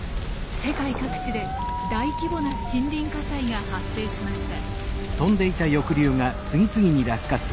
世界各地で大規模な森林火災が発生しました。